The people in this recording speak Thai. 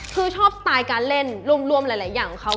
คือชอบสไตล์การเล่นรวมหลายอย่างของเขา